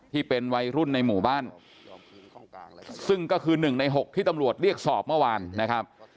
ที่เป็นวัยรุ่นในหมู่บ้านซึ่งก็คือ๑ใน๖ที่ตำรวจเรียกสอบเมื่อวานนะครับ